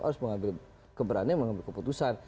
harus mengambil keberanian mengambil keputusan